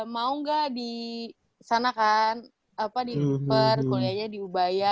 mau gak di sana kan di uph kuliahnya di ubaya